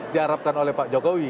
di harapkan oleh pak jokowi